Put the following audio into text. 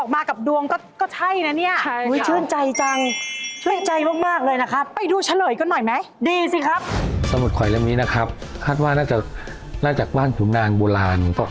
มาลุ้นไปพร้อมกันครับ